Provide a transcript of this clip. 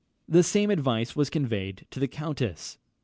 The same advice was conveyed to the countess.